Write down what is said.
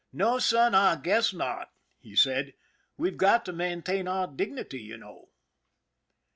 " No, son; I guess not," he said. "We've got to maintain our dignity, you know."